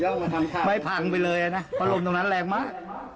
เพราะลมตรงนั้นแรงมาก